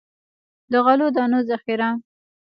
د غلو دانو ذخیره.